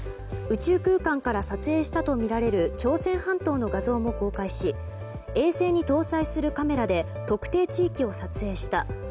宇宙空間から撮影したとみられる朝鮮半島の画像も公開し、衛星に搭載するカメラで特定地域を撮影した。